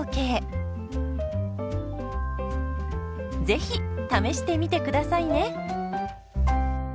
ぜひ試してみてくださいね。